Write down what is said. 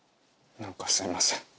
何かすいません。